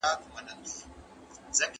خوښي راوړي، نه بدبختي، نه یې په تېر کي کوم